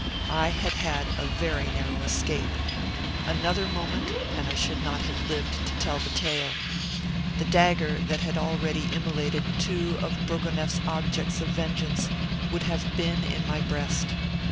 I had had a very narrow escape. Another moment and I should not have lived to tell the tale. The dagger that had already immolated two of Bourgonef's objects of vengeance would have been in my breast.